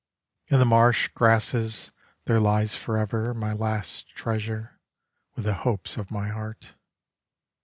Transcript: In the marsh grasses There lies forever My last treasure, With the hopes of my heart.